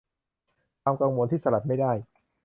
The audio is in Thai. ความกังวลที่สลัดไม่ได้